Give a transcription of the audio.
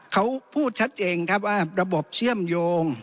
เขาพูดชัดเจนครับว่าระบบเชื่อมโยง